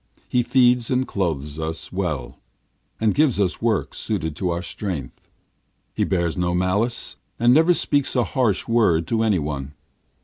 He feeds and clothes us well, and gives us work suited to our strength. He bears no malice, and never speaks a harsh word to any one.